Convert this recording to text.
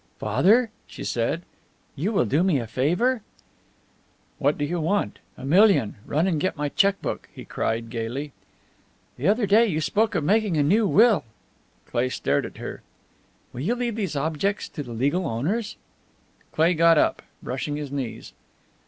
"Father," she said, "you will do me a favour?" "What do you want a million? Run and get my check book!" he cried, gayly. "The other day you spoke of making a new will." Cleigh stared at her. "Will you leave these objects to the legal owners?" Cleigh got up, brushing his knees.